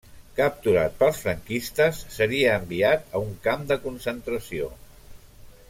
Capturat pels franquistes, seria enviat a un camp de concentració.